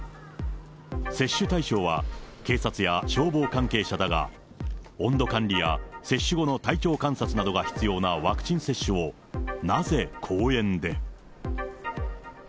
接種対象は、警察や消防関係者だが、温度管理や接種後の体調観察などが必要なワクチン接種を、なぜ公園で。